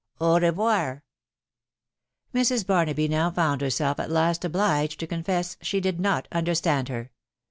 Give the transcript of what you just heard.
•.. o reyvoyr /" Mrs. Barnaby now found herself at last obliged to confess she did not understand her.